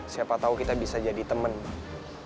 siapa tau kita bisa jadi temen bang